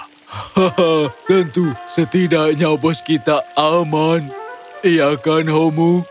haha tentu setidaknya bos kita aman iya kan homo